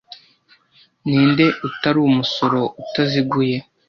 Ninde utari umusoro utaziguye